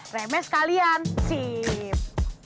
remnya sekalian sip